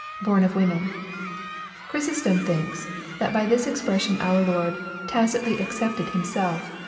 horn of women.'] Chrysostom thinks, that by this expression our Lord " tacitly excepted Himself.